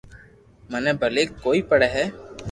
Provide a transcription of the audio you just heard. مني پلي ڪوئي پڙي ھي